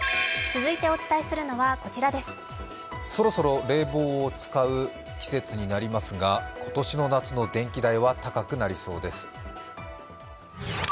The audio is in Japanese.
続いてお伝えするのは、こちらですそろそろ冷房を使う季節になりますが、今年の夏の電気代は高くなりそうです。